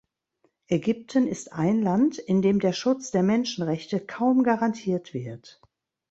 Ägypten ist ein Land, in dem der Schutz der Menschenrechte kaum garantiert wird.